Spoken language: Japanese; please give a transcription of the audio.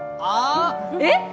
えっ？